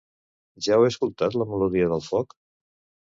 Ja heu escoltat ‘La melodia del foc’?